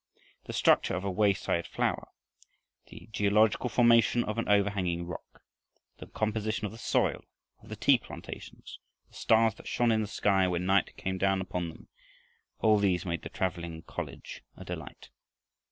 The structure of a wayside flower, the geological formation of an overhanging rock, the composition of the soil of the tea plantations, the stars that shone in the sky when night came down upon them; all these made the traveling college a delight.